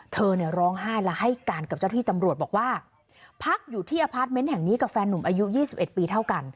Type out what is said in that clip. เธอเนี่ยร้องไห้และให้การกับเจ้าที่ตำรวจบอกว่าพักอยู่ที่อพาร์ทเมนต์แห่งนี้กับแฟนหนุ่มอายุ๒๑ปีเท่ากัน